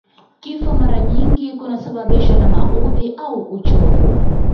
Kifo mara nyingi kunasababishwa na maudhi au uchovu